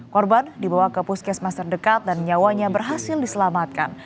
korban dibawa ke puskesmas terdekat dan nyawanya berhasil diselamatkan